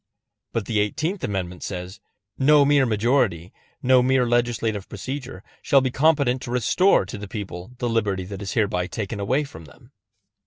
But the Eighteenth Amendment says: No mere majority, no mere legislative procedure, shall be competent to restore to the people the liberty that is hereby taken away from them.